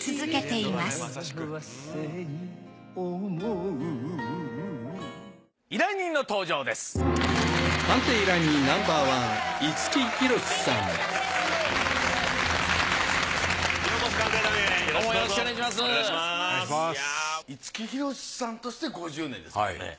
いや五木ひろしさんとして５０年ですもんね。